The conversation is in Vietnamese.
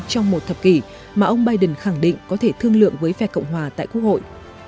trong một thập kỷ mà ông biden khẳng định có thể thương lượng với phe cộng hòa tại quốc hội